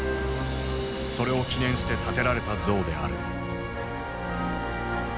それを記念して建てられた像である。